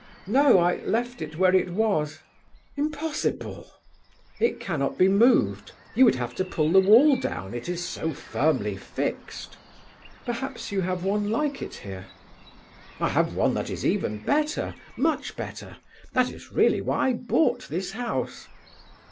"No, I left it where it was." "Impossible!" "It cannot be moved; you would have to pull the wall down, it is so firmly fixed." "Perhaps you have one like it here?" "I have one that is even better, much better; that is really why I bought this house."